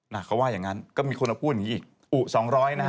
เขาว่าอย่างนั้นก็มีคนมาพูดอย่างนี้อีกอุสองร้อยนะฮะ